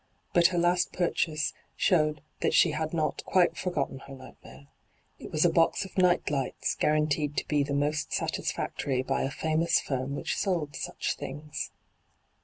But her last purchase showed that she had not quite for gotten her nightmare. It was a bos of night ligbts, guaranteed to be the * most satisfactory' by a &mous firm which sold such tilings.